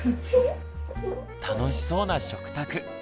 楽しそうな食卓。